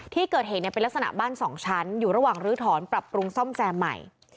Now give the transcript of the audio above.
ที่เกิดเหตุเป็นลักษณะบ้าน๒ชั้นอยู่ระหว่างลื้อถอนปรับปรุงซ่อมแซมใหม่